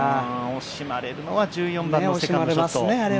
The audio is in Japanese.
惜しまれるのは１４番のセカンドショット。